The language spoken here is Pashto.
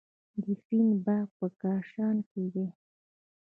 د فین باغ په کاشان کې دی.